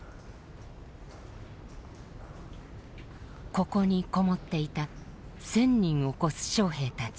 ここに籠もっていた１，０００人を超す将兵たち。